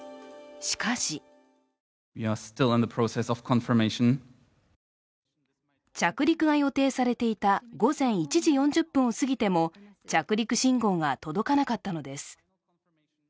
しかし着陸が予定されていた午前１時４０分を過ぎても着陸信号が届かなかったのです。